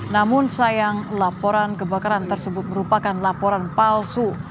namun sayang laporan kebakaran tersebut merupakan laporan palsu